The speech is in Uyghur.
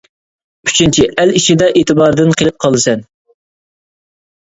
ئۈچىنچى، ئەل ئىچىدە ئېتىباردىن قېلىپ قالىسەن.